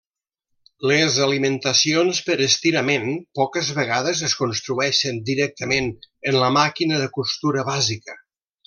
Les alimentacions per estirament poques vegades es construeixen directament en la màquina de costura bàsica.